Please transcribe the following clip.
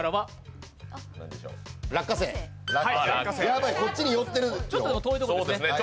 やばい、こっちに寄ってるよ。